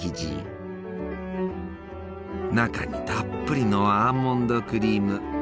中にたっぷりのアーモンドクリーム。